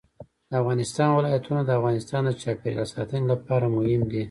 د افغانستان ولايتونه د افغانستان د چاپیریال ساتنې لپاره مهم دي.